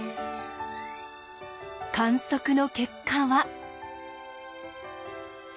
観測の結果は。